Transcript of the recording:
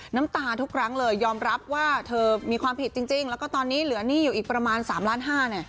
น้ำตาทุกครั้งเลยยอมรับว่าเธอมีความผิดจริงแล้วก็ตอนนี้เหลือหนี้อยู่อีกประมาณ๓ล้านห้าเนี่ย